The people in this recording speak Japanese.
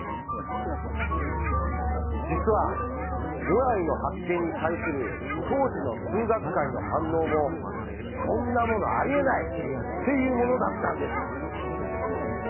実はボヤイの発見に対する当時の数学界の反応も「そんなものありえない！」っていうものだったんです。